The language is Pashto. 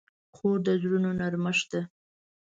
خور د زړونو نرمښت ده.